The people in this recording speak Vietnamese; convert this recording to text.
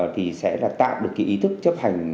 thì sẽ tạo được ý thức chấp hành